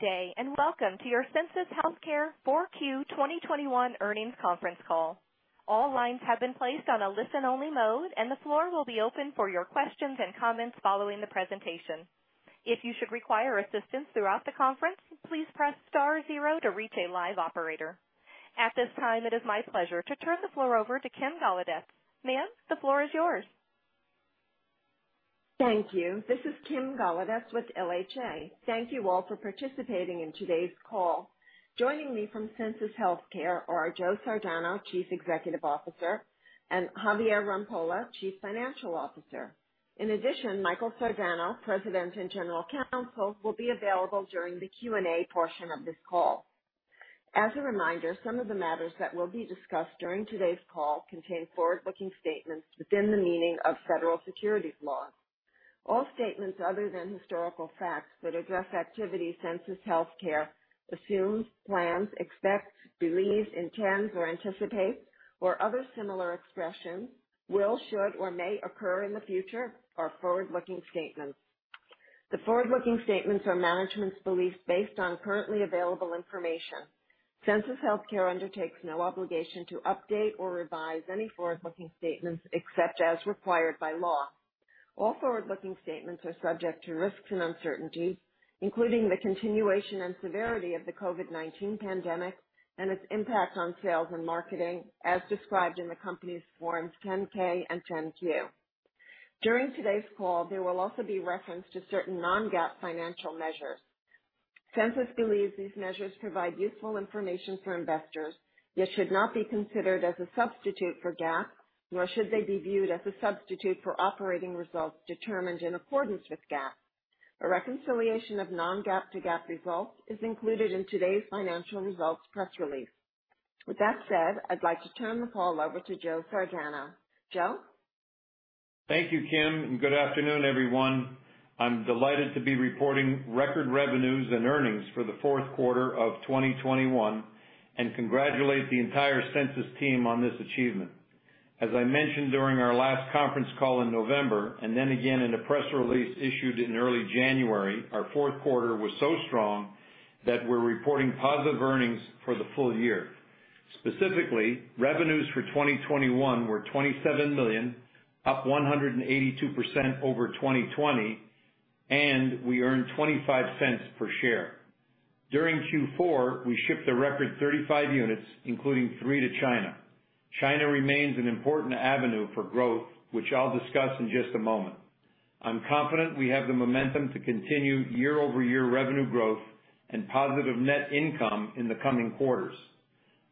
day, and welcome to your Sensus Healthcare 4Q 2021 earnings conference call. All lines have been placed on a listen-only mode, and the floor will be open for your questions and comments following the presentation. If you should require assistance throughout the conference, please press star zero to reach a live operator. At this time, it is my pleasure to turn the floor over to Kim Golodetz. Ma'am, the floor is yours. Thank you. This is Kim Golodetz with LHA. Thank you all for participating in today's call. Joining me from Sensus Healthcare are Joe Sardano, Chief Executive Officer, and Javier Rampolla, Chief Financial Officer. In addition, Michael Sardano, President and General Counsel, will be available during the Q&A portion of this call. As a reminder, some of the matters that will be discussed during today's call contain forward-looking statements within the meaning of federal securities laws. All statements other than historical facts that address activities Sensus Healthcare assumes, plans, expects, believes, intends, or anticipates or other similar expressions will, should, or may occur in the future are forward-looking statements. The forward-looking statements are management's beliefs based on currently available information. Sensus Healthcare undertakes no obligation to update or revise any forward-looking statements except as required by law. All forward-looking statements are subject to risks and uncertainties, including the continuation and severity of the COVID-19 pandemic and its impact on sales and marketing, as described in the company's Forms 10-K and 10-Q. During today's call, there will also be reference to certain non-GAAP financial measures. Sensus believes these measures provide useful information for investors, yet should not be considered as a substitute for GAAP, nor should they be viewed as a substitute for operating results determined in accordance with GAAP. A reconciliation of non-GAAP to GAAP results is included in today's financial results press release. With that said, I'd like to turn the call over to Joe Sardano. Joe? Thank you Kim, and good afternoon, everyone. I'm delighted to be reporting record revenues and earnings for the fourth quarter of 2021 and congratulate the entire Sensus team on this achievement. As I mentioned during our last conference call in November, and then again in a press release issued in early January, our fourth quarter was so strong that we're reporting positive earnings for the full year. Specifically, revenues for 2021 were $27 million, up 182% over 2020, and we earned $0.25 per share. During Q4, we shipped a record 35 units, including three to China. China remains an important avenue for growth which I'll discuss in just a moment. I'm confident we have the momentum to continue year-over-year revenue growth and positive net income in the coming quarters.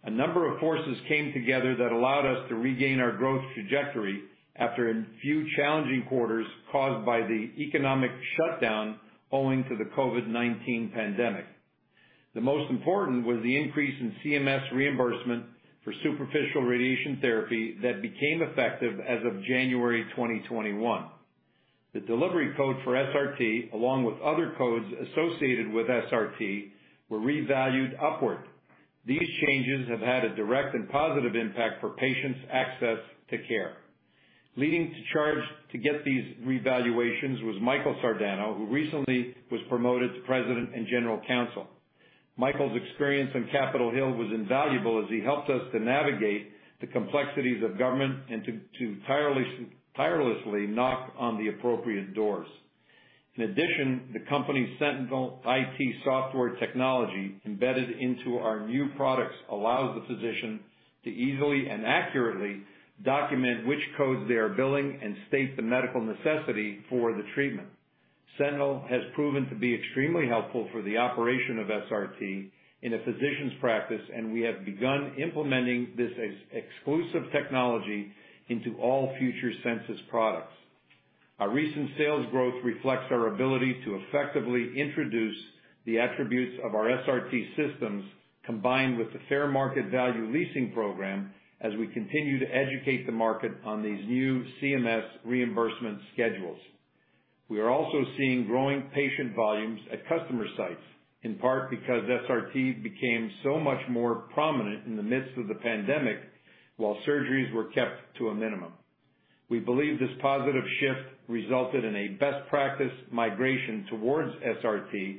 A number of forces came together that allowed us to regain our growth trajectory after a few challenging quarters caused by the economic shutdown owing to the COVID-19 pandemic. The most important was the increase in CMS reimbursement for superficial radiation therapy that became effective as of January 2021. The delivery code for SRT, along with other codes associated with SRT, were revalued upward. These changes have had a direct and positive impact for patients' access to care. Leading the charge to get these revaluations was Michael Sardano, who recently was promoted to President and General Counsel. Michael's experience on Capitol Hill was invaluable as he helped us to navigate the complexities of government and to tirelessly knock on the appropriate doors. In addition, the company's Sentinel IT software technology embedded into our new products allows the physician to easily and accurately document which codes they are billing and state the medical necessity for the treatment. Sentinel has proven to be extremely helpful for the operation of SRT in a physician's practice, and we have begun implementing this exclusive technology into all future Sensus products. Our recent sales growth reflects our ability to effectively introduce the attributes of our SRT systems, combined with the fair market value leasing program, as we continue to educate the market on these new CMS reimbursement schedules. We are also seeing growing patient volumes at customer sites, in part because SRT became so much more prominent in the midst of the pandemic while surgeries were kept to a minimum. We believe this positive shift resulted in a best practice migration towards SRT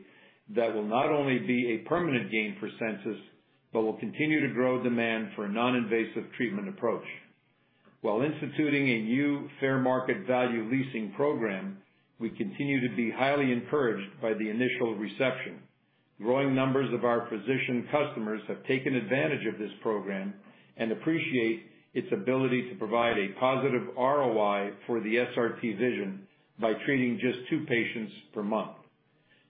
that will not only be a permanent gain for Sensus, but will continue to grow demand for a non-invasive treatment approach. While instituting a new fair market value leasing program, we continue to be highly encouraged by the initial reception. Growing numbers of our physician customers have taken advantage of this program and appreciate its ability to provide a positive ROI for the SRT Vision by treating just two patients per month.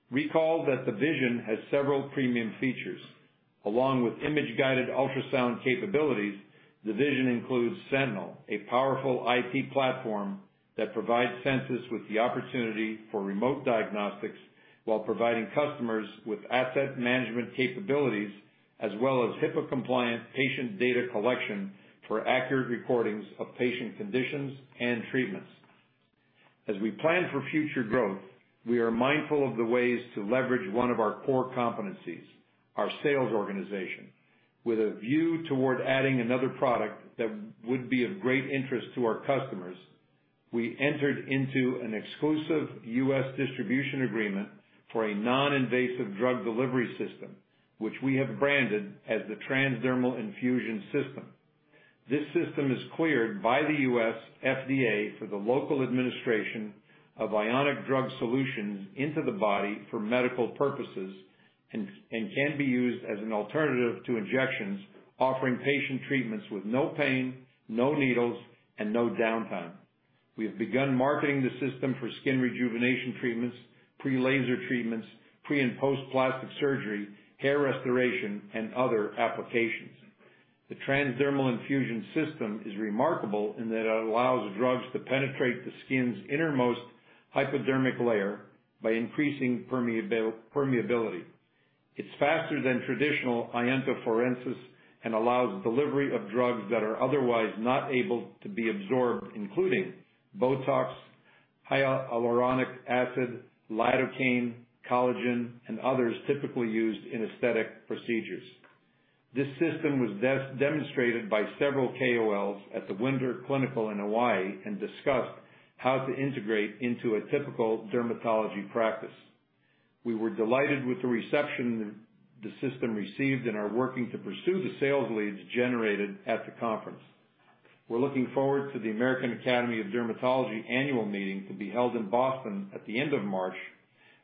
Recall that the Vision has several premium features. Along with image-guided ultrasound capabilities, the Vision includes Sentinel, a powerful IT platform that provides Sensus with the opportunity for remote diagnostics while providing customers with asset management capabilities as well as HIPAA-compliant patient data collection for accurate recordings of patient conditions and treatments. As we plan for future growth, we are mindful of the ways to leverage one of our core competencies, our sales organization, with a view toward adding another product that would be of great interest to our customers. We entered into an exclusive U.S. distribution agreement for a non-invasive drug delivery system, which we have branded as the TransDermal Infusion System. This system is cleared by the U.S. FDA for the local administration of ionic drug solutions into the body for medical purposes and can be used as an alternative to injections, offering patient treatments with no pain, no needles, and no downtime. We have begun marketing the system for skin rejuvenation treatments, pre-laser treatments, pre and post plastic surgery, hair restoration, and other applications. The TransDermal Infusion System is remarkable in that it allows drugs to penetrate the skin's innermost hypodermic layer by increasing permeability. It's faster than traditional iontophoresis and allows delivery of drugs that are otherwise not able to be absorbed, including Botox, hyaluronic acid, lidocaine, collagen, and others typically used in aesthetic procedures. This system was demonstrated by several KOLs at the Winter Clinical in Hawaii and discussed how to integrate into a typical dermatology practice. We were delighted with the reception the system received and are working to pursue the sales leads generated at the conference. We're looking forward to the American Academy of Dermatology annual meeting to be held in Boston at the end of March,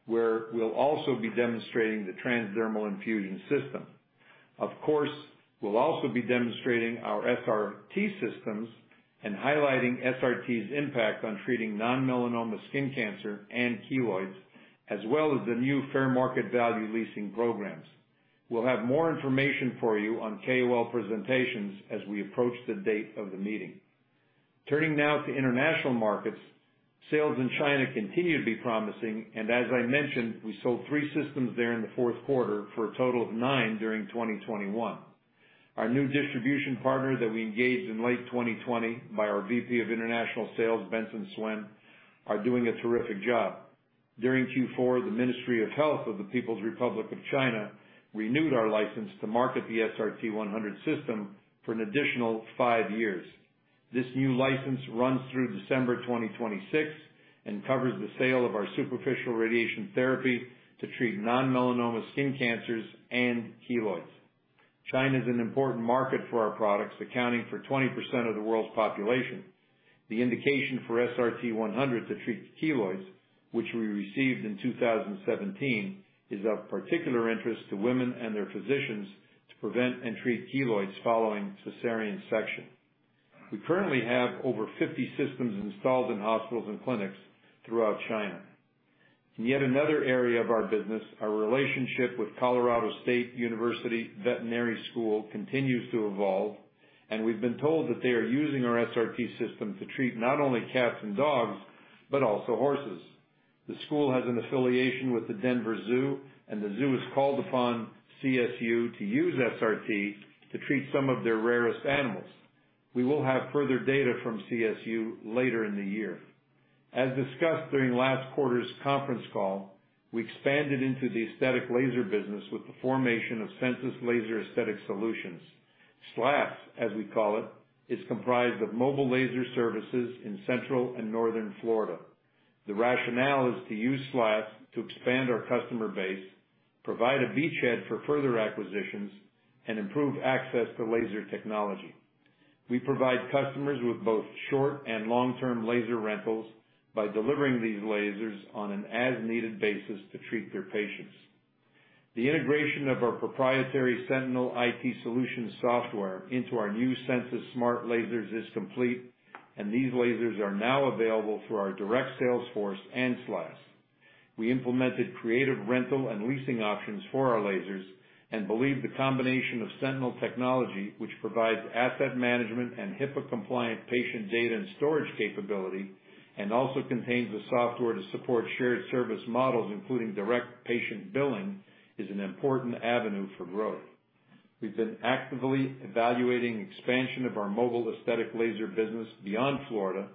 where we'll also be demonstrating the TransDermal Infusion System. Of course, we'll also be demonstrating our SRT systems and highlighting SRT's impact on treating non-melanoma skin cancer and keloids, as well as the new fair market value leasing programs. We'll have more information for you on KOL presentations as we approach the date of the meeting. Turning now to international markets, sales in China continue to be promising, and as I mentioned, we sold three systems there in the fourth quarter for a total of nine during 2021. Our new distribution partner that we engaged in late 2020 by our VP of International Sales, Benson Suen, are doing a terrific job. During Q4, the Ministry of Health of the People's Republic of China renewed our license to market the SRT-100 system for an additional five years. This new license runs through December 2026 and covers the sale of our superficial radiation therapy to treat non-melanoma skin cancers and keloids. China's an important market for our products, accounting for 20% of the world's population. The indication for SRT-100 to treat keloids, which we received in 2017, is of particular interest to women and their physicians to prevent and treat keloids following cesarean section. We currently have over 50 systems installed in hospitals and clinics throughout China. In yet another area of our business, our relationship with Colorado State University Veterinary School continues to evolve, and we've been told that they are using our SRT system to treat not only cats and dogs, but also horses. The school has an affiliation with the Denver Zoo, and the zoo has called upon CSU to use SRT to treat some of their rarest animals. We will have further data from CSU later in the year. As discussed during last quarter's conference call, we expanded into the aesthetic laser business with the formation of Sensus Laser Aesthetic Solutions. SLAS, as we call it, is comprised of mobile laser services in central and northern Florida. The rationale is to use SLAS to expand our customer base, provide a beachhead for further acquisitions, and improve access to laser technology. We provide customers with both short and long-term laser rentals by delivering these lasers on an as-needed basis to treat their patients. The integration of our proprietary Sentinel IT Solutions software into our new Sensus Smart Lasers is complete, and these lasers are now available through our direct sales force and SLAS. We implemented creative rental and leasing options for our lasers and believe the combination of Sentinel technology, which provides asset management and HIPAA-compliant patient data and storage capability and also contains the software to support shared service models, including direct patient billing, is an important avenue for growth. We've been actively evaluating expansion of our mobile aesthetic laser business beyond Florida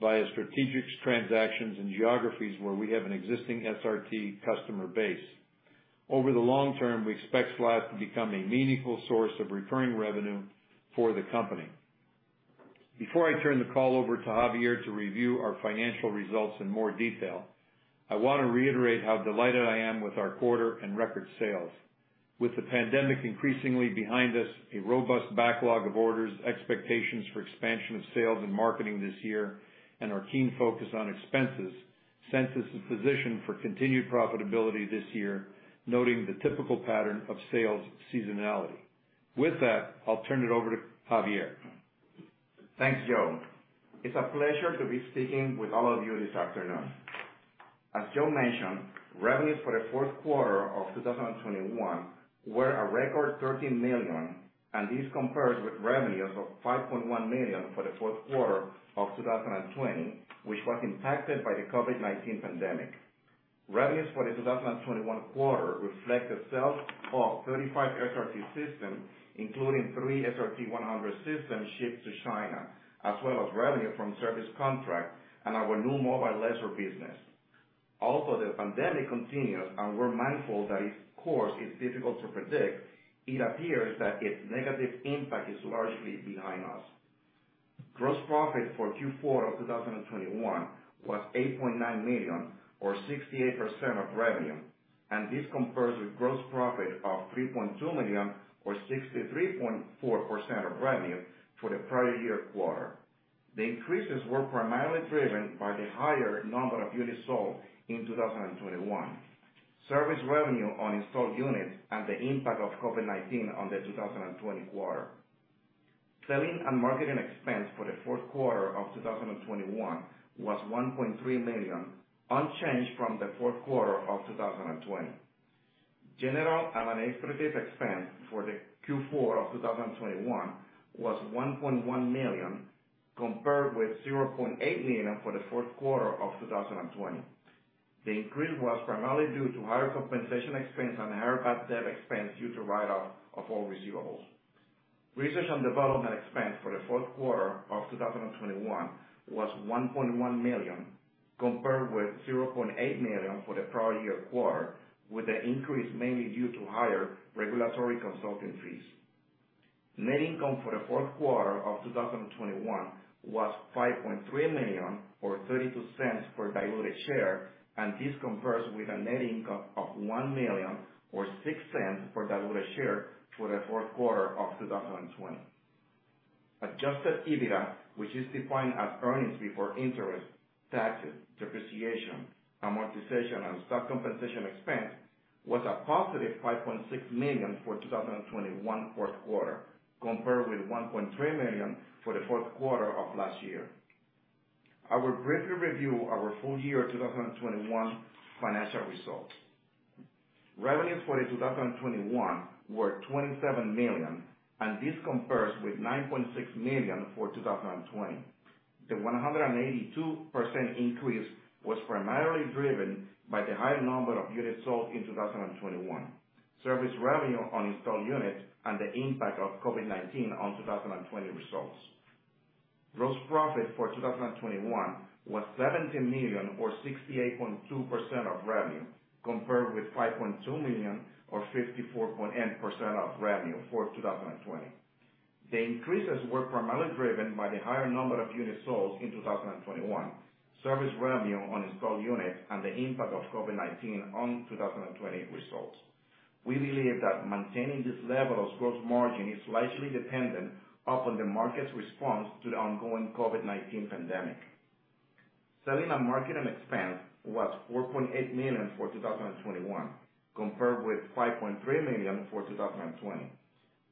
via strategic transactions in geographies where we have an existing SRT customer base. Over the long term, we expect SLAS to become a meaningful source of recurring revenue for the company. Before I turn the call over to Javier to review our financial results in more detail, I want to reiterate how delighted I am with our quarter and record sales. With the pandemic increasingly behind us, a robust backlog of orders, expectations for expansion of sales and marketing this year, and our keen focus on expenses, Sensus is positioned for continued profitability this year, noting the typical pattern of sales seasonality. With that, I'll turn it over to Javier. Thanks, Joe. It's a pleasure to be speaking with all of you this afternoon. As Joe mentioned, revenues for the fourth quarter of 2021 were a record $13 million and this compares with revenues of $5.1 million for the fourth quarter of 2020, which was impacted by the COVID-19 pandemic. Revenues for the 2021 quarter reflect the sales of 35 SRT systems, including three SRT-100 systems shipped to China, as well as revenue from service contract and our new mobile laser business. Also, the pandemic continues, and we're mindful that its course is difficult to predict, it appears that its negative impact is largely behind us. Gross profit for Q4 of 2021 was $8.9 million or 68% of revenue, and this compares with gross profit of $3.2 million or 63.4% of revenue for the prior year quarter. The increases were primarily driven by the higher number of units sold in 2021, service revenue on installed units, and the impact of COVID-19 on the 2020 quarter. Selling and marketing expense for the fourth quarter of 2021 was $1.3 million, unchanged from the fourth quarter of 2020. General and administrative expense for the Q4 of 2021 was $1.1 million compared with $0.8 million for the fourth quarter of 2020. The increase was primarily due to higher compensation expense and higher bad debt expense due to write-off of all receivables. Research and development expense for the fourth quarter of 2021 was $1.1 million, compared with $0.8 million for the prior year quarter, with the increase mainly due to higher regulatory consulting fees. Net income for the fourth quarter of 2021 was $5.3 million or $0.32 per diluted share, and this compares with a net income of $1 million or $0.06 per diluted share for the fourth quarter of 2020. Adjusted EBITDA, which is defined as earnings before interest, taxes, depreciation, amortization, and stock compensation expense, was a positive $5.6 million for 2021 fourth quarter, compared with $1.3 million for the fourth quarter of last year. I will briefly review our full year 2021 financial results. Revenues for 2021 were $27 million, and this compares with $9.6 million for 2020. The 182% increase was primarily driven by the higher number of units sold in 2021, service revenue on installed units, and the impact of COVID-19 on 2020 results. Gross profit for 2021 was $17 million or 68.2% of revenue, compared with $5.2 million or 54.8% of revenue for 2020. The increases were primarily driven by the higher number of units sold in 2021, service revenue on installed units, and the impact of COVID-19 on 2020 results. We believe that maintaining this level of gross margin is largely dependent upon the market's response to the ongoing COVID-19 pandemic. Selling and marketing expense was $4.8 million for 2021, compared with $5.3 million for 2020.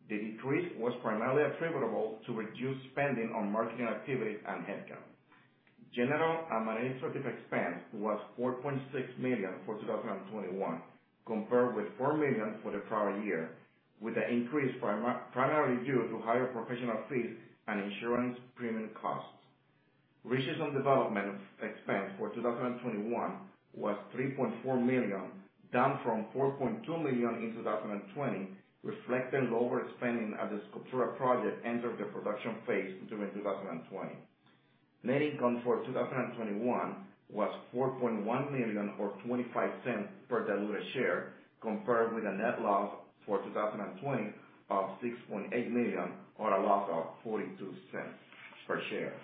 The decrease was primarily attributable to reduced spending on marketing activity and headcount. General and administrative expense was $4.6 million for 2021, compared with $4 million for the prior year, with the increase primarily due to higher professional fees and insurance premium costs. Research and development expense for 2021 was $3.4 million, down from $4.2 million in 2020, reflecting lower spending as the Sculptura project entered the production phase during 2020. Net income for 2021 was $4.1 million or $0.25 per diluted share, compared with a net loss for 2020 of $6.8 million or a loss of $0.42 per share.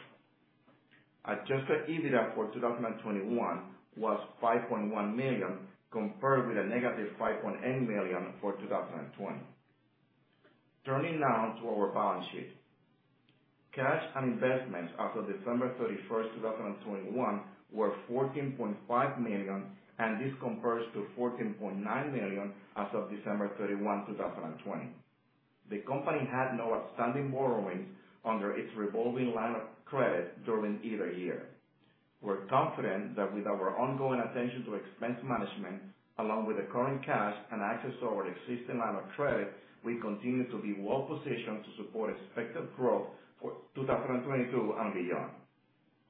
Adjusted EBITDA for 2021 was $5.1 million, compared with a negative $5.8 million for 2020. Turning now to our balance sheet, cash and investments as of December 31, 2021 were $14.5 million, and this compares to $14.9 million as of December 31, 2020. The company had no outstanding borrowings under its revolving line of credit during either year. We're confident that with our ongoing attention to expense management, along with the current cash and access to our existing line of credit, we continue to be well-positioned to support expected growth for 2022 and beyond.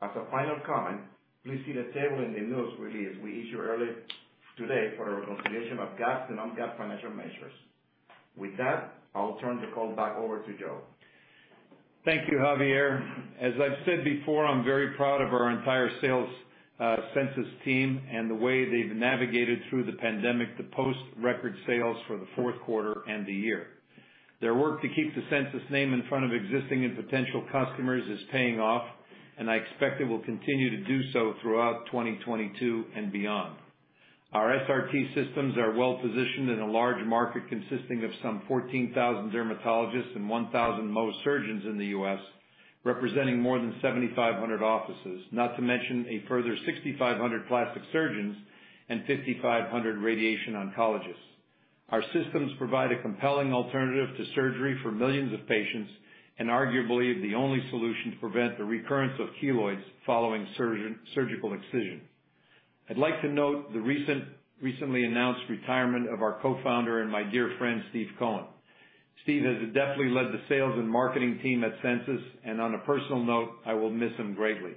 As a final comment, please see the table in the news release we issued earlier today for a reconciliation of GAAP and non-GAAP financial measures. With that, I'll turn the call back over to Joe. Thank you, Javier. As I've said before, I'm very proud of our entire sales Sensus team and the way they've navigated through the pandemic to post record sales for the fourth quarter and the year. Their work to keep the Sensus name in front of existing and potential customers is paying off, and I expect it will continue to do so throughout 2022 and beyond. Our SRT systems are well-positioned in a large market consisting of some 14,000 dermatologists and 1,000 Mohs surgeons in the U.S., representing more than 7,500 offices. Not to mention a further 6,500 plastic surgeons and 5,500 radiation oncologists. Our systems provide a compelling alternative to surgery for millions of patients and arguably the only solution to prevent the recurrence of keloids following surgical excision. I'd like to note the recently announced retirement of our Co-Founder and my dear friend, Steve Cohen. Steve has adeptly led the sales and marketing team at Sensus, and on a personal note, I will miss him greatly.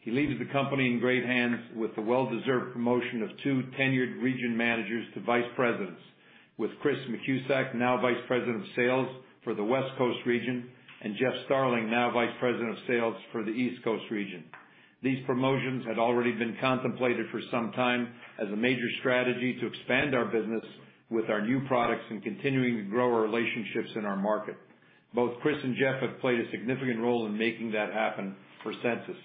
He leaves the company in great hands with the well-deserved promotion of two tenured region managers to Vice Presidents. With Chris Machuzak, now Vice President of Sales for the West Coast region, and Jeff Starling, now Vice President of Sales for the East Coast region. These promotions had already been contemplated for some time as a major strategy to expand our business with our new products and continuing to grow our relationships in our market. Both Chris and Jeff have played a significant role in making that happen for Sensus.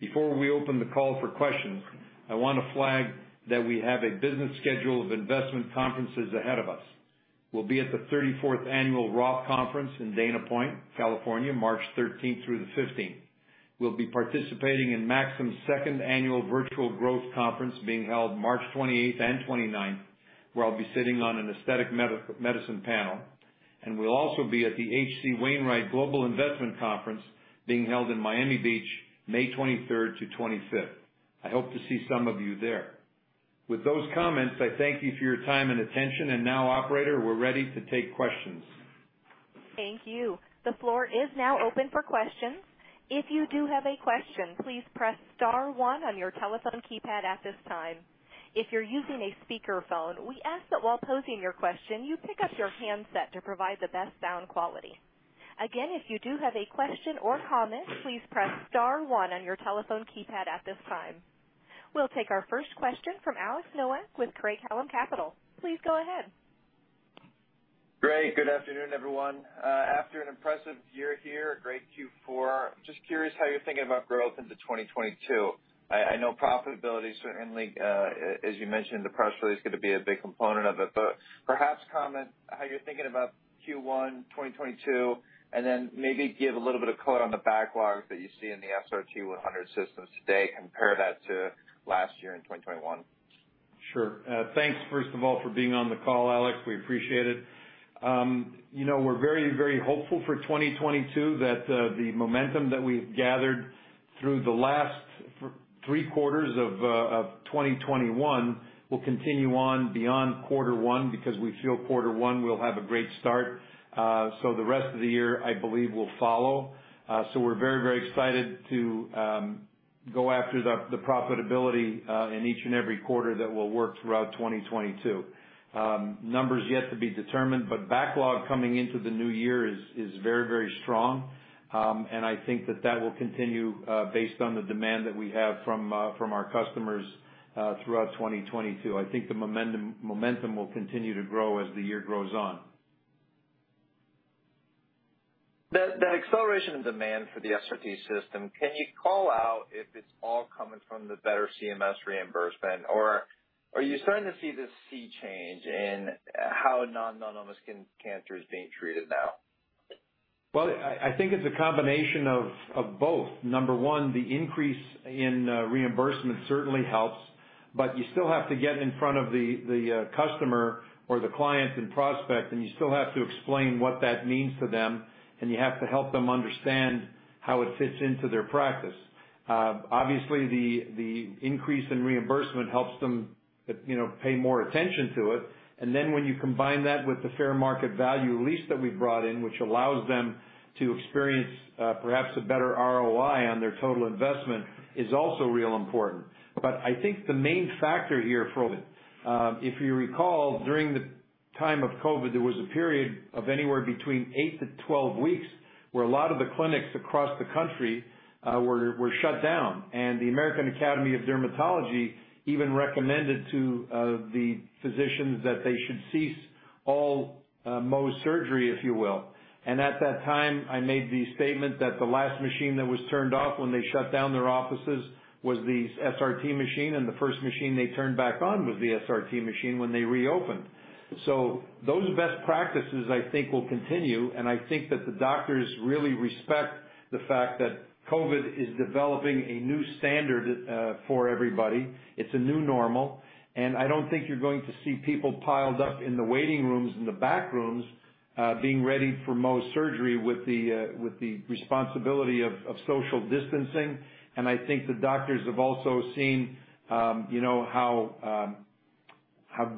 Before we open the call for questions, I wanna flag that we have a business schedule of investment conferences ahead of us. We'll be at the 34th Annual ROTH Conference in Dana Point, California, March 13 through the 15. We'll be participating in Maxim's 2nd annual Virtual Growth Conference being held March 28 and 29, where I'll be sitting on an aesthetic medicine panel. We'll also be at the HC Wainwright Global Investment Conference being held in Miami Beach, May 23 to 25. I hope to see some of you there. With those comments, I thank you for your time and attention. Now operator, we're ready to take questions. Thank you. The floor is now open for questions. If you do have a question, please press star one on your telephone keypad at this time. If you're using a speaker phone, we ask that while posing your question, you pick up your handset to provide the best sound quality. Again, if you do have a question or comment, please press star one on your telephone keypad at this time. We'll take our first question from Alex Nowak with Craig-Hallum Capital. Please go ahead. Great. Good afternoon, everyone. After an impressive year here, a great Q4, just curious how you're thinking about growth into 2022. I know profitability certainly, as you mentioned, the press release is gonna be a big component of it, but perhaps comment how you're thinking about Q1 2022 and then maybe give a little bit of color on the backlog that you see in the SRT-100 systems today, compare that to last year in 2021. Sure. Thanks, first of all, for being on the call Alex. We appreciate it. You know, we're very very hopeful for 2022 that the momentum that we've gathered through the last three quarters of 2021 will continue on beyond quarter one because we feel quarter one will have a great start. The rest of the year, I believe will follow. We're very excited to go after the profitability in each and every quarter that will work throughout 2022. Numbers yet to be determined, but backlog coming into the new year is very strong. I think that will continue based on the demand that we have from our customers throughout 2022. I think the momentum will continue to grow as the year grows on. The acceleration of demand for the SRT system, can you call out if it's all coming from the better CMS reimbursement, or are you starting to see the sea change in how non-melanoma skin cancer is being treated now? Well, I think it's a combination of both. Number one, the increase in reimbursement certainly helps, but you still have to get in front of the customer or the client and prospect and you still have to explain what that means to them, and you have to help them understand how it fits into their practice. Obviously, the increase in reimbursement helps them, you know, pay more attention to it. Then when you combine that with the fair market value lease that we brought in, which allows them to experience, perhaps a better ROI on their total investment, is also real important. I think the main factor here probably, if you recall, during the time of COVID, there was a period of anywhere between 8-12 weeks where a lot of the clinics across the country were shut down. The American Academy of Dermatology even recommended to the physicians that they should cease all Mohs surgery, if you will. At that time, I made the statement that the last machine that was turned off when they shut down their offices was the SRT machine, and the first machine they turned back on was the SRT machine when they reopened. Those best practices, I think, will continue, and I think that the doctors really respect the fact that COVID is developing a new standard for everybody. It's a new normal and I don't think you're going to see people piled up in the waiting rooms, in the back rooms, being ready for Mohs surgery with the responsibility of social distancing. I think the doctors have also seen, you know, how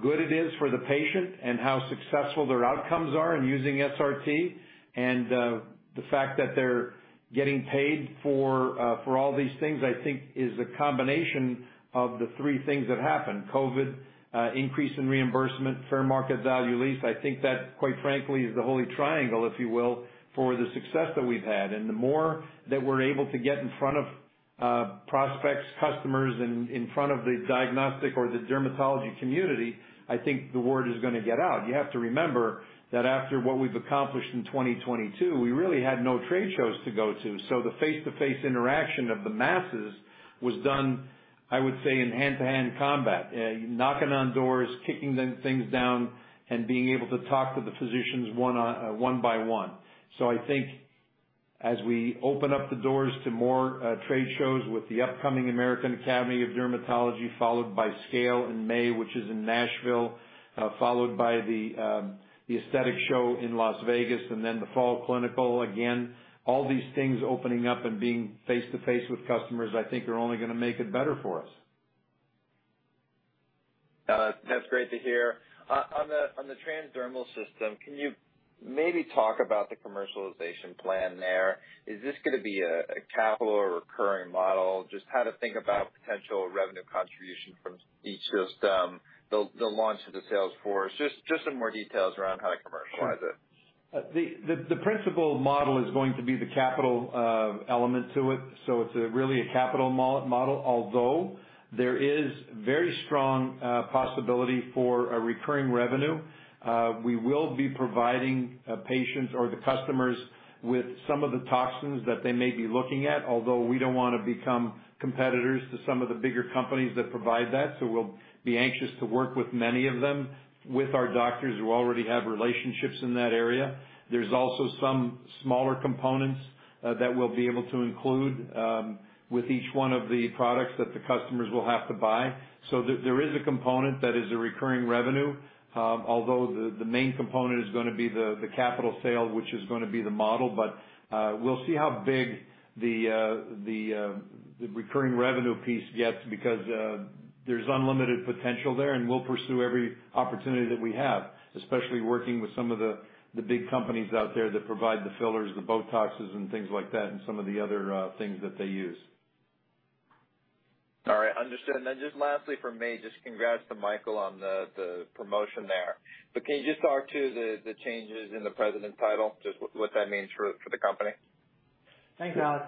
good it is for the patient and how successful their outcomes are in using SRT. The fact that they're getting paid for all these things, I think is a combination of the three things that happened, COVID, increase in reimbursement, fair market value lease. I think that, quite frankly, is the holy triangle if you will, for the success that we've had. The more that we're able to get in front of prospects, customers, in front of the diagnostic or the dermatology community, I think the word is gonna get out. You have to remember that after what we've accomplished in 2022, we really had no trade shows to go to. The face-to-face interaction of the masses was done, I would say, in hand-to-hand combat, knocking on doors, kicking them things down, and being able to talk to the physicians one on one by one. I think as we open up the doors to more trade shows with the upcoming American Academy of Dermatology, followed by SCALE in May, which is in Nashville, followed by the Aesthetic Show in Las Vegas, and then the Fall Clinical again, all these things opening up and being face to face with customers, I think are only gonna make it better for us. That's great to hear. On the TransDermal System, can you maybe talk about the commercialization plan there? Is this gonna be a capital or recurring model? Just how to think about potential revenue contribution from each system, the launch of the sales force. Just some more details around how to commercialize it. The principal model is going to be the capital element to it, so it's really a capital model, although there is very strong possibility for a recurring revenue. We will be providing patients or the customers with some of the toxins that they may be looking at, although we don't wanna become competitors to some of the bigger companies that provide that. We'll be anxious to work with many of them, with our doctors who already have relationships in that area. There's also some smaller components that we'll be able to include with each one of the products that the customers will have to buy. There is a component that is a recurring revenue, although the main component is gonna be the capital sale which is gonna be the model. We'll see how big the recurring revenue piece gets because there's unlimited potential there, and we'll pursue every opportunity that we have, especially working with some of the big companies out there that provide the fillers, the Botoxes and things like that, and some of the other things that they use. All right. Understood. Just lastly from me, just congrats to Michael on the promotion there. Can you just talk about the changes in the President title, just what that means for the company? Thanks, Alex.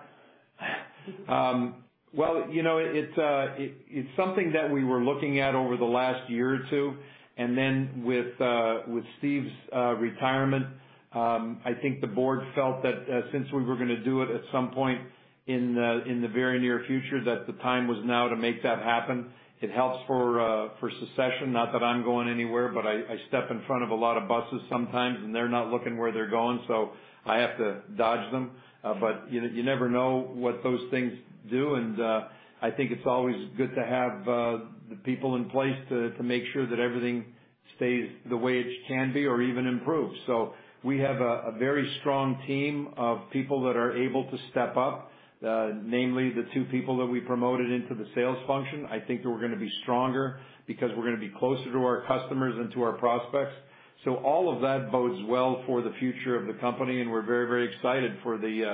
Well, you know, it's something that we were looking at over the last year or two, and then with Steve's retirement, I think the board felt that since we were gonna do it at some point in the very near future that the time was now to make that happen. It helps for succession, not that I'm going anywhere, but I step in front of a lot of buses sometimes and they're not looking where they're going, so I have to dodge them. But you never know what those things do, and I think it's always good to have the people in place to make sure that everything stays the way it can be or even improve. We have a very strong team of people that are able to step up, namely the two people that we promoted into the sales function. I think that we're gonna be stronger because we're gonna be closer to our customers and to our prospects. All of that bodes well for the future of the company, and we're very, very excited for the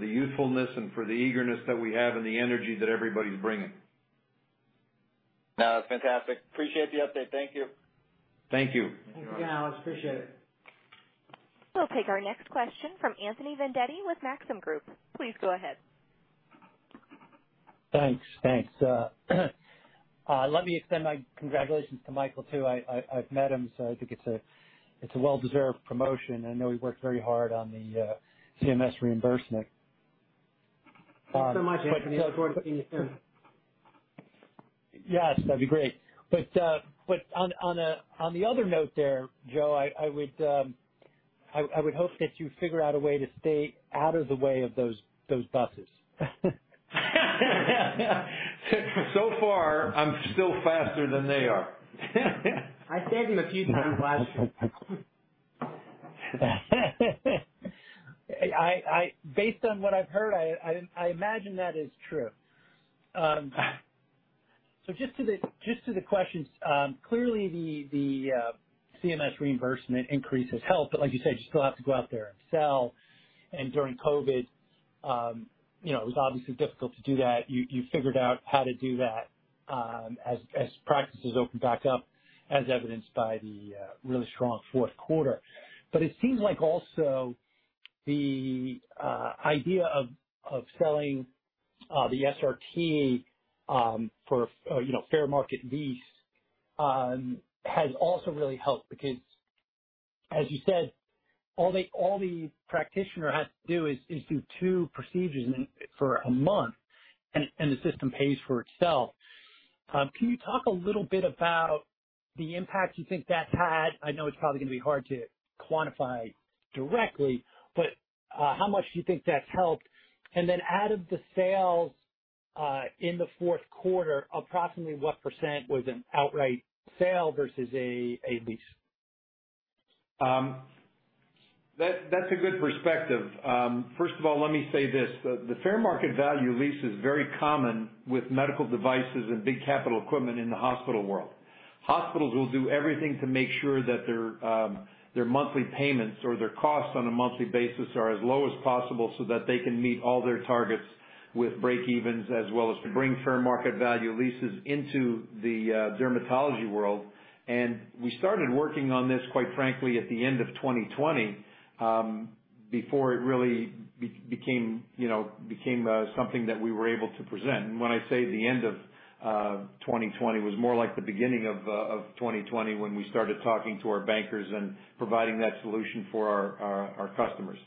usefulness and for the eagerness that we have and the energy that everybody's bringing. No, it's fantastic. Appreciate the update. Thank you. Thank you. Thank you, Alex. I appreciate it. We'll take our next question from Anthony Vendetti with Maxim Group. Please go ahead. Thanks. Let me extend my congratulations to Michael too. I've met him, so I think it's a well-deserved promotion. I know he worked very hard on the CMS reimbursement. Thanks so much, Anthony. I look forward to seeing you soon. Yes, that'd be great. On the other note there Joe, I would hope that you figure out a way to stay out of the way of those buses. So far, I'm still faster than they are. I've saved him a few times last year. Based on what I've heard, I imagine that is true. Just to the questions, clearly the CMS reimbursement increase has helped but like you said, you still have to go out there and sell, and during COVID, you know, it was obviously difficult to do that. You figured out how to do that, as practices open back up, as evidenced by the really strong fourth quarter. It seems like also the idea of selling the SRT for, you know, fair market lease has also really helped because, as you said, all the practitioner has to do is do two procedures for a month and the system pays for itself. Can you talk a little bit about the impact you think that's had? I know it's probably gonna be hard to quantify directly, but how much do you think that's helped? Out of the sales in the fourth quarter, approximately what percent was an outright sale versus a lease? That's a good perspective. First of all, let me say this, the fair market value lease is very common with medical devices and big capital equipment in the hospital world. Hospitals will do everything to make sure that their monthly payments or their costs on a monthly basis are as low as possible so that they can meet all their targets with breakevens, as well as to bring fair market value leases into the dermatology world. We started working on this, quite frankly, at the end of 2020, before it really became, you know, something that we were able to present. When I say the end of 2020, it was more like the beginning of 2020 when we started talking to our bankers and providing that solution for our customers.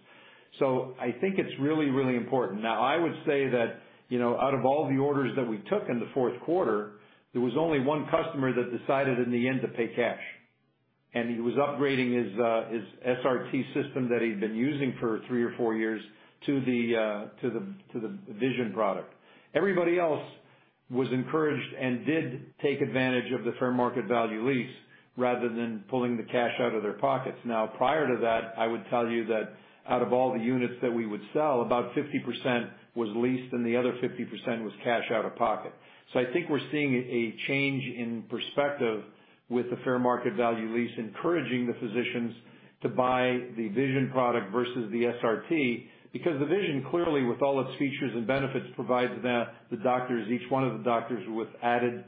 I think it's really, really important. Now, I would say that, you know, out of all the orders that we took in the fourth quarter, there was only one customer that decided in the end to pay cash. He was upgrading his SRT system that he'd been using for three or four years to the Vision product. Everybody else was encouraged and did take advantage of the fair market value lease rather than pulling the cash out of their pockets. Now, prior to that, I would tell you that out of all the units that we would sell, about 50% was leased and the other 50% was cash out of pocket. I think we're seeing a change in perspective. With the fair market value lease, encouraging the physicians to buy the vision product versus the SRT, because the vision, clearly, with all its features and benefits, provides the doctors, each one of the doctors, with added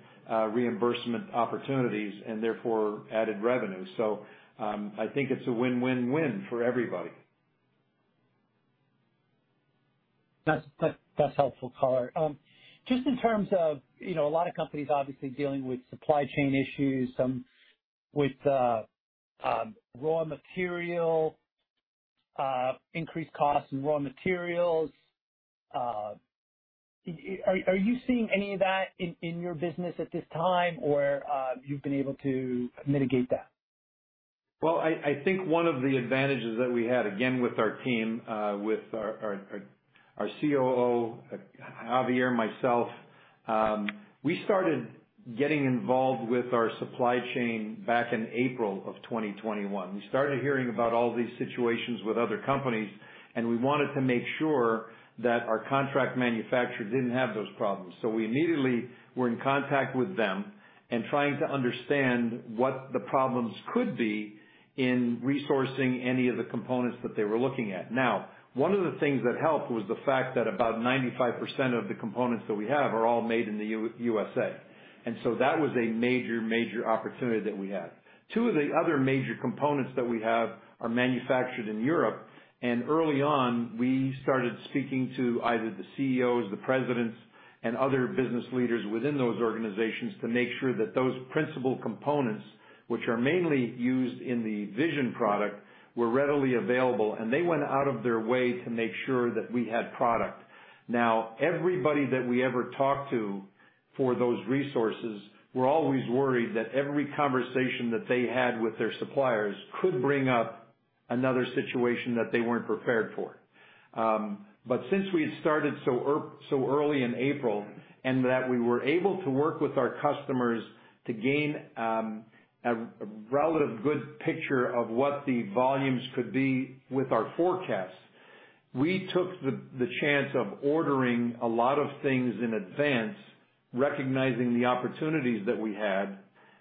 reimbursement opportunities and therefore added revenue. I think it's a win-win-win for everybody. That's helpful color. Just in terms of, you know, a lot of companies obviously dealing with supply chain issues, some with raw material increased costs in raw materials. Are you seeing any of that in your business at this time, or you've been able to mitigate that? Well, I think one of the advantages that we had, again with our team, with our COO, Javier, myself, we started getting involved with our supply chain back in April 2021. We started hearing about all these situations with other companies, and we wanted to make sure that our contract manufacturer didn't have those problems. So we immediately were in contact with them and trying to understand what the problems could be in resourcing any of the components that they were looking at. Now, one of the things that helped was the fact that about 95% of the components that we have are all made in the USA. That was a major opportunity that we had. Two of the other major components that we have are manufactured in Europe, and early on, we started speaking to either the CEOs, the presidents, and other business leaders within those organizations to make sure that those principal components, which are mainly used in the vision product were readily available, and they went out of their way to make sure that we had product. Now, everybody that we ever talked to for those resources were always worried that every conversation that they had with their suppliers could bring up another situation that they weren't prepared for. Since we had started so early in April, and that we were able to work with our customers to gain a relatively good picture of what the volumes could be with our forecasts, we took the chance of ordering a lot of things in advance, recognizing the opportunities that we had,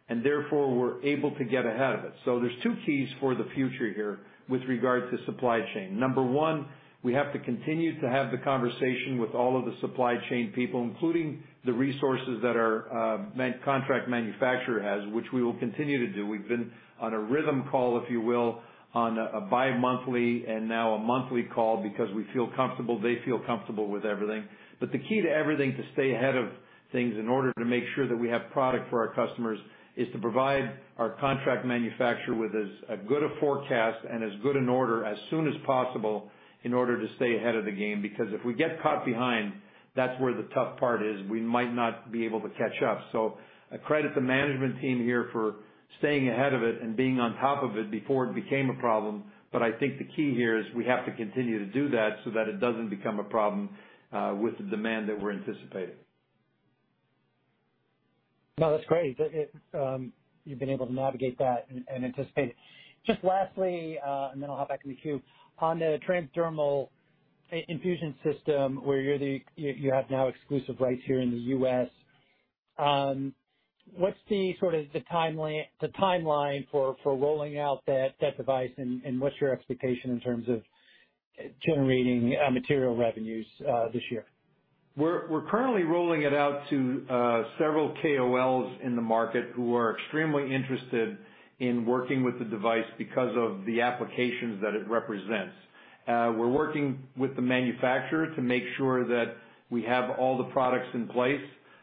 and therefore we're able to get ahead of it. There's two keys for the future here with regard to supply chain. Number one, we have to continue to have the conversation with all of the supply chain people, including the resources that our contract manufacturer has, which we will continue to do. We've been on a rhythm call, if you will, on a bi-monthly and now a monthly call because we feel comfortable, they feel comfortable with everything. The key to everything to stay ahead of things in order to make sure that we have product for our customers is to provide our contract manufacturer with as good a forecast and as good an order as soon as possible in order to stay ahead of the game. Because if we get caught behind, that's where the tough part is. We might not be able to catch up. I credit the management team here for staying ahead of it and being on top of it before it became a problem. I think the key here is we have to continue to do that so that it doesn't become a problem with the demand that we're anticipating. No, that's great, you've been able to navigate that and anticipate it. Just lastly, and then I'll hop back in the queue. On the TransDermal Infusion System where you have now exclusive rights here in the U.S., what's the sort of timeline for rolling out that device and what's your expectation in terms of generating material revenues this year? We're currently rolling it out to several KOLs in the market who are extremely interested in working with the device because of the applications that it represents. We're working with the manufacturer to make sure that we have all the products in place.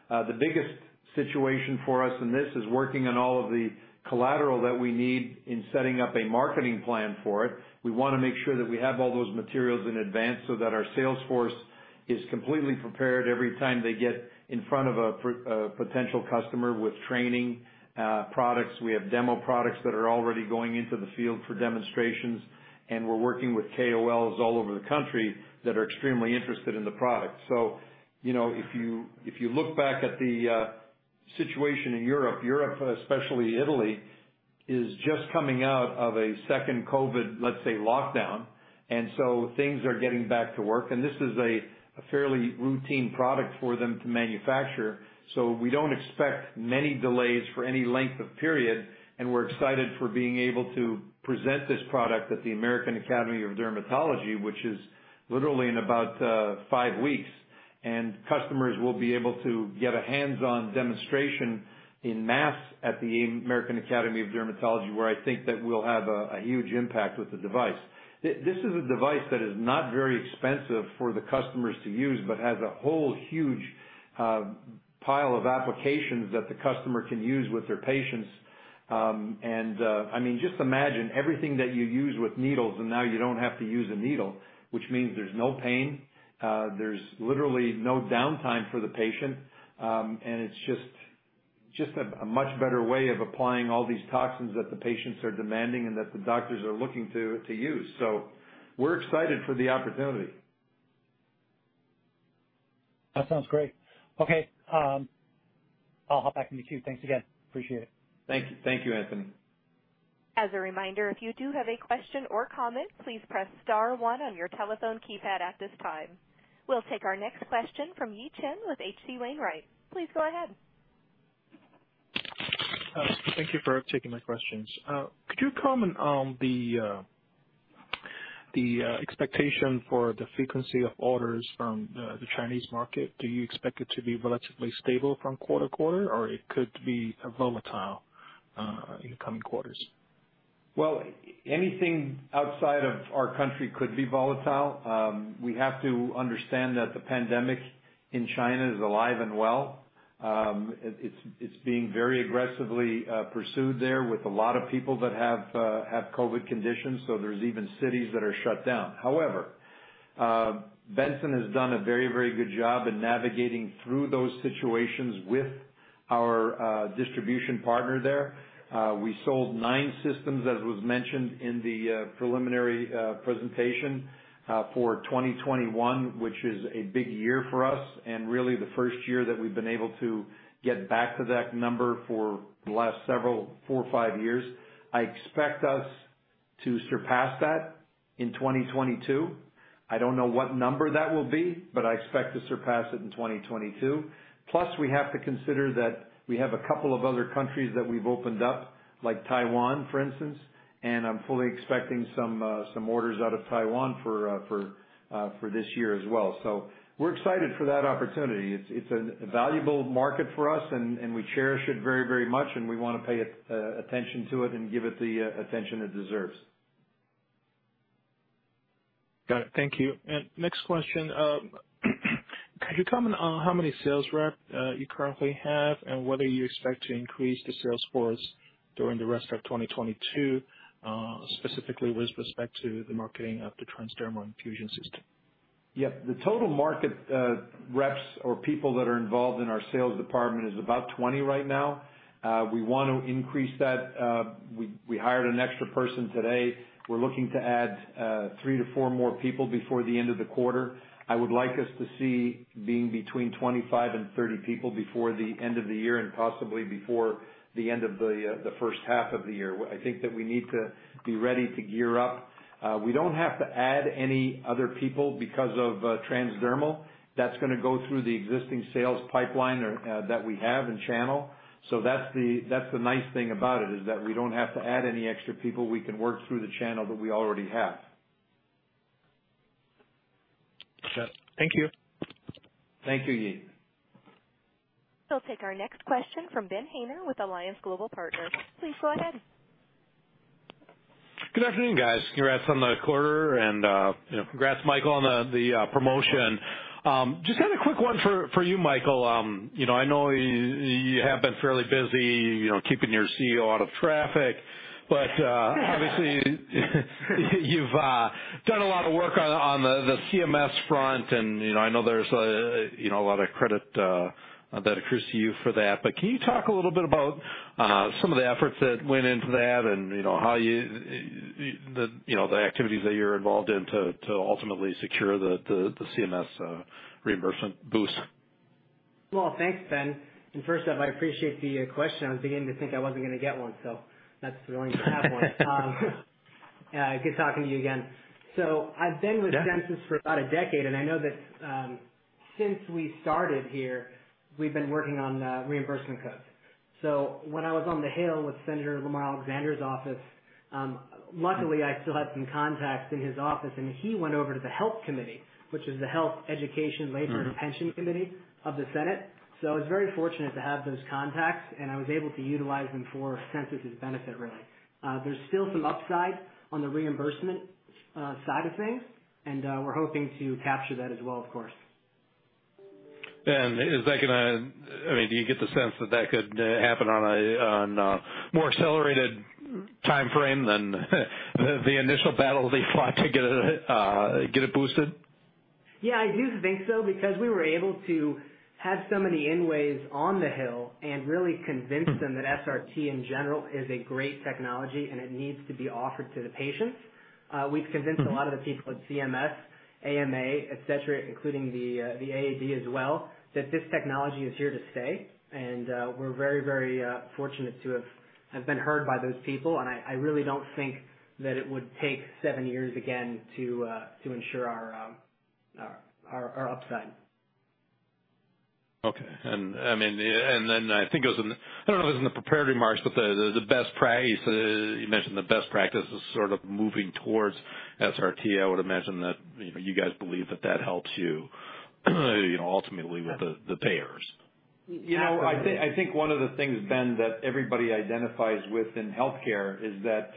The biggest situation for us in this is working on all of the collateral that we need in setting up a marketing plan for it. We wanna make sure that we have all those materials in advance so that our sales force is completely prepared every time they get in front of a potential customer with training products. We have demo products that are already going into the field for demonstrations, and we're working with KOLs all over the country that are extremely interested in the product. You know, if you look back at the situation in Europe especially Italy, is just coming out of a second COVID, let's say, lockdown. Things are getting back to work, and this is a fairly routine product for them to manufacture. We don't expect many delays for any length of period, and we're excited for being able to present this product at the American Academy of Dermatology, which is literally in about 5 weeks. Customers will be able to get a hands-on demonstration en masse at the American Academy of Dermatology, where I think that we'll have a huge impact with the device. This is a device that is not very expensive for the customers to use but has a whole huge pile of applications that the customer can use with their patients. I mean, just imagine everything that you use with needles and now you don't have to use a needle, which means there's no pain. There's literally no downtime for the patient. It's just a much better way of applying all these toxins that the patients are demanding and that the doctors are looking to use. We're excited for the opportunity. That sounds great. Okay. I'll hop back in the queue. Thanks again. Appreciate it. Thank you. Thank you, Anthony. As a reminder, if you do have a question or comment, please press star one on your telephone keypad at this time. We'll take our next question from Yi Chen with H.C. Wainwright. Please go ahead. Thank you for taking my questions. Could you comment on the expectation for the frequency of orders from the Chinese market? Do you expect it to be relatively stable from quarter to quarter, or it could be volatile in the coming quarters? Well, anything outside of our country could be volatile. We have to understand that the pandemic in China is alive and well. It's being very aggressively pursued there with a lot of people that have COVID conditions, so there's even cities that are shut down. However, Benson has done a very, very good job in navigating through those situations with our distribution partner there. We sold nine systems, as was mentioned in the preliminary presentation for 2021, which is a big year for us and really the first year that we've been able to get back to that number for the last several, four or five years. I expect us to surpass that in 2022. I don't know what number that will be, but I expect to surpass it in 2022. Plus, we have to consider that we have a couple of other countries that we've opened up, like Taiwan, for instance, and I'm fully expecting some orders out of Taiwan for this year as well. We're excited for that opportunity. It's a valuable market for us and we cherish it very much, and we wanna pay it attention to it and give it the attention it deserves. Got it. Thank you. Next question, could you comment on how many sales rep you currently have and whether you expect to increase the sales force during the rest of 2022, specifically with respect to the marketing of the TransDermal Infusion System? Yeah. The total market reps or people that are involved in our sales department is about 20 right now. We want to increase that. We hired an extra person today. We're looking to add three to four more people before the end of the quarter. I would like us to see being between 25 and 30 people before the end of the year and possibly before the end of the first half of the year. I think that we need to be ready to gear up. We don't have to add any other people because of transdermal. That's gonna go through the existing sales pipeline or that we have in channel. So that's the nice thing about it, is that we don't have to add any extra people. We can work through the channel that we already have. Yes. Thank you. Thank you, Yi. We'll take our next question from Benjamin Haynor with Alliance Global Partners. Please go ahead. Good afternoon, guys. Congrats on the quarter and you know, congrats Michael on the promotion. Just had a quick one for you, Michael. You know, I know you have been fairly busy, you know, keeping your CEO out of traffic. Obviously, you've done a lot of work on the CMS front and, you know, I know there's a lot of credit that accrues to you for that. Can you talk a little bit about some of the efforts that went into that and, you know, how the activities that you're involved in to ultimately secure the CMS reimbursement boost? Well thanks, Ben. First off, I appreciate the question. I was beginning to think I wasn't gonna get one, so that's thrilling to have one. Good talking to you again. I've been with Sensus for about a decade, and I know that since we started here, we've been working on reimbursement codes. When I was on the Hill with Senator Lamar Alexander's office, luckily I still had some contacts in his office and he went over to the Health Committee, which is the Health, Education, Labor and Pensions Committee of the Senate. I was very fortunate to have those contacts, and I was able to utilize them for Sensus' benefit, really. There's still some upside on the reimbursement side of things, and we're hoping to capture that as well, of course. Is that gonna - I mean, do you get the sense that that could happen on a more accelerated timeframe than the initial battle they fought to get it boosted? Yeah, I do think so, because we were able to have so many in-ways on the Hill and really convince them that SRT in general is a great technology, and it needs to be offered to the patients. We've convinced. A lot of the people at CMS, AMA, et cetera, including the AAD as well, that this technology is here to stay. We're very fortunate to have been heard by those people. I really don't think that it would take seven years again to ensure our upside. Okay. I mean, and then I think it was in - I don't know if it was in the prepared remarks, but the best practice you mentioned is sort of moving towards SRT. I would imagine that, you know, you guys believe that that helps you know, ultimately with the payers. You know, I think one of the things Ben that everybody identifies with in healthcare is that,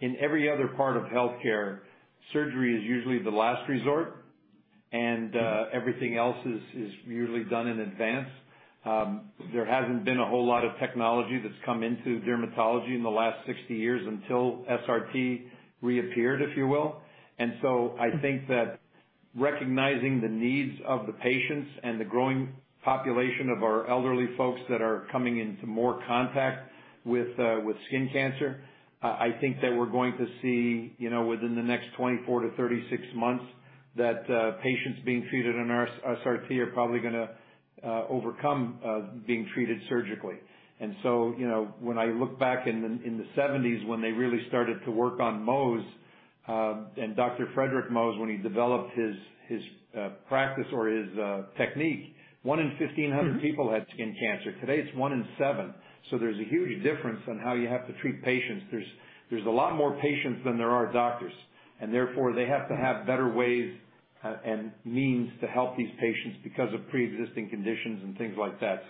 in every other part of healthcare, surgery is usually the last resort, and everything else is usually done in advance. There hasn't been a whole lot of technology that's come into dermatology in the last 60 years until SRT reappeared, if you will. I think that recognizing the needs of the patients and the growing population of our elderly folks that are coming into more contact with skin cancer, I think that we're going to see, you know, within the next 24-36 months patients being treated in our SRT are probably gonna overcome being treated surgically. You know, when I look back in the seventies, when they really started to work on Mohs, and Dr. Frederic Mohs, when he developed his practice or his technique, one in 1,500 people had skin cancer. Today, it's one in seven. There's a huge difference on how you have to treat patients. There's a lot more patients than there are doctors, and therefore they have to have better ways and means to help these patients because of preexisting conditions and things like that.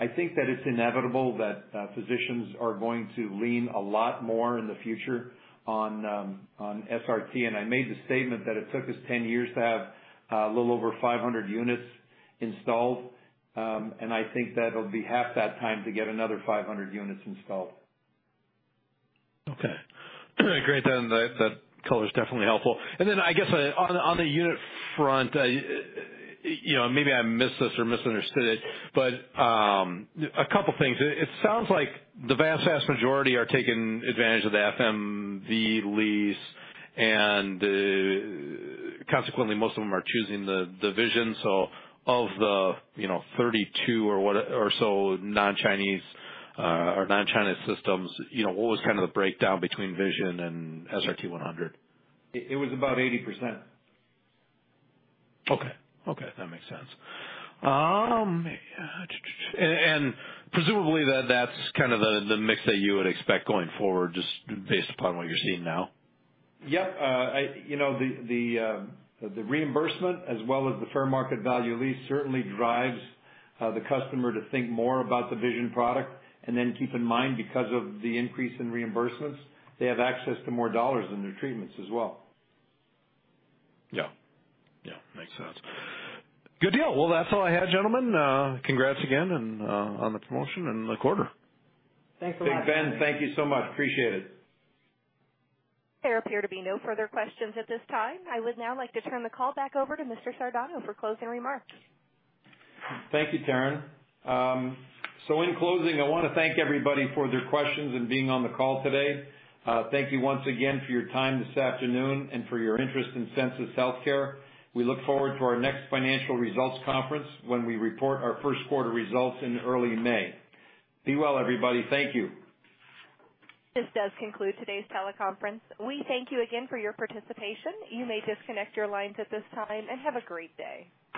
I think that it's inevitable that physicians are going to lean a lot more in the future on SRT. I made the statement that it took us 10 years to have a little over 500 units installed. I think that'll be half that time to get another 500 units installed. Okay. Great. That color's definitely helpful. I guess on the unit front, you know, maybe I missed this or misunderstood it, but a couple things. It sounds like the vast majority are taking advantage of the FMV lease, and consequently, most of them are choosing the Vision. Of the, you know, 32 or so non-Chinese or non-China systems, you know, what was kind of the breakdown between Vision and SRT-100? It was about 80%. Okay. Okay, that makes sense. Yeah. Presumably that's kind of the mix that you would expect going forward just based upon what you're seeing now? Yep. The reimbursement as well as the fair market value lease certainly drives the customer to think more about the Vision product. Keep in mind, because of the increase in reimbursements, they have access to more dollars in their treatments as well. Yeah. Yeah, makes sense. Good deal. Well, that's all I had, gentlemen. Congrats again and on the promotion and the quarter. Thanks a lot. Thanks, Ben. Thank you so much. Appreciate it. There appear to be no further questions at this time. I would now like to turn the call back over to Mr. Sardano for closing remarks. Thank you, Taryn. In closing, I wanna thank everybody for their questions and being on the call today. Thank you once again for your time this afternoon and for your interest in Sensus Healthcare. We look forward to our next financial results conference when we report our first quarter results in early May. Be well, everybody. Thank you. This does conclude today's teleconference. We thank you again for your participation. You may disconnect your lines at this time, and have a great day.